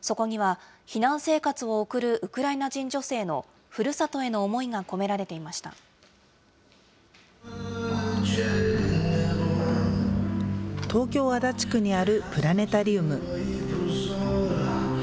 そこには避難生活を送るウクライナ人女性のふるさとへの思いが込東京・足立区にあるプラネタリウム。